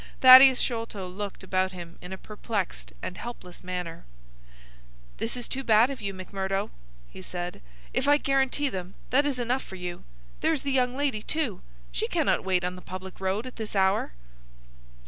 Thaddeus Sholto looked about him in a perplexed and helpless manner. "This is too bad of you, McMurdo!" he said. "If I guarantee them, that is enough for you. There is the young lady, too. She cannot wait on the public road at this hour."